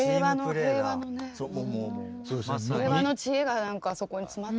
平和のね平和の知恵がそこに詰まってる。